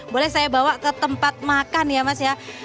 boleh saya bawa ke tempat makan ya mas ya